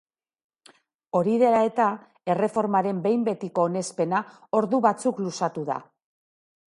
Hori dela eta, erreformaren behin betiko onespena ordu batzuk luzatu da.